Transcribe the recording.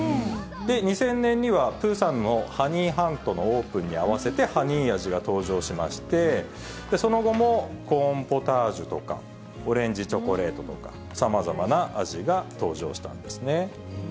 ２０００年には、プーさんのハニーハントのオープンに合わせてハニー味が登場しまして、その後もコーンポタージュとか、オレンジチョコレートとか、さまざまな味が登場したんですね。